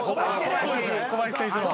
小林選手の。